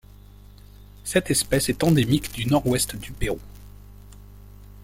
Cette espèce est endémique du Nord-Ouest du Pérou.